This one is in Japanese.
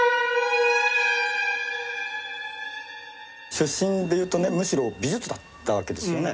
出身でいうとねむしろ美術だったわけですよね？